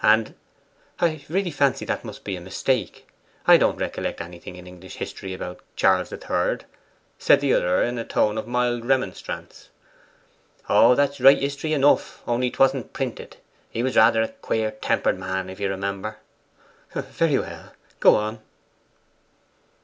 And ' 'I really fancy that must be a mistake. I don't recollect anything in English history about Charles the Third,' said the other in a tone of mild remonstrance. 'Oh, that's right history enough, only 'twasn't prented; he was rather a queer tempered man, if you remember.' 'Very well; go on.